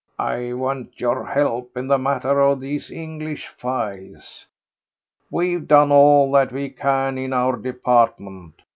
"I want your help in the matter of these English files. We have done all that we can in our department.